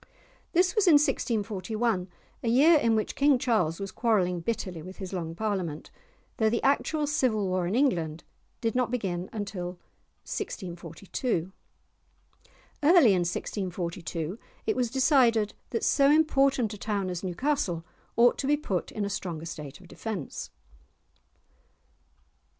This was in 1641, a year in which King Charles was quarrelling bitterly with his Long Parliament, though the actual civil war in England did not begin till 1642. Early in 1642 it was decided that so important a town as Newcastle ought to be put in a stronger state of defence.